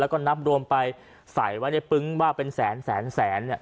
แล้วก็นับรวมไปใส่ไว้ในปึ๊งว่าเป็นแสนแสนแสนเนี่ย